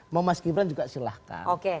mau mas gibran juga silahkan